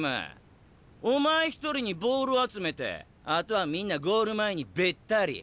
お前一人にボール集めてあとはみんなゴール前にべったり。